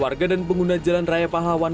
warga dan pengguna jalan raya pahlawan